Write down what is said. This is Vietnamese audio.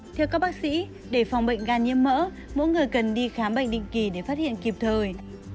theo các bác sĩ để phòng bệnh gan nhiễm mỡ mỗi người cần đi khám bệnh định kỳ để phát hiện kịp thời